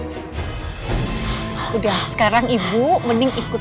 gue masih pingin hidup